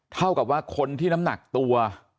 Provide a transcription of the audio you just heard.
เท่ากับว่าคนที่น้ำหนักตัว